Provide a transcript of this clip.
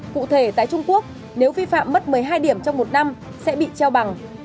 cụ thể tại trung quốc nếu vi phạm mất một mươi hai điểm trong một năm sẽ bị treo bằng